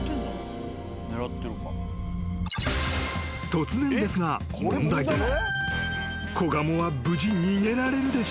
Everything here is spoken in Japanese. ［突然ですが問題です］